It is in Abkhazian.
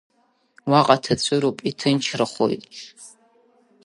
Уаҟа ҭацәыроуп, иҭынчрахоит…